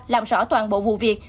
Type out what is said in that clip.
làm rõ toàn bộ vụ việc